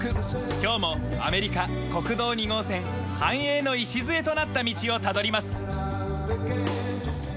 今日もアメリカ国道２号線・繁栄の礎となった道をたどります。